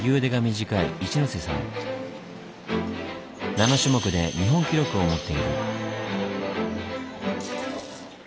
７種目で日本記録を持っている。